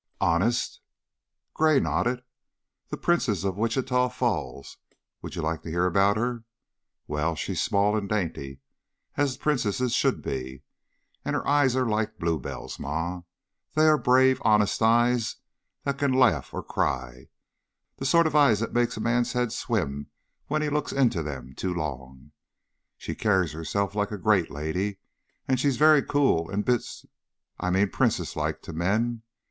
"Honest?" Gray nodded. "The Princess of Wichita Falls. Would you like to hear about her? Well, she's small and dainty, as princesses should be, and her eyes are like bluebells, Ma. They are brave, honest eyes that can laugh or cry the sort of eyes that make a man's head swim when he looks into them too long. She carries herself like a great lady, and she's very cool and business I mean princess like, to men.